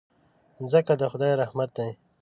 مځکه د خدای رحمت دی.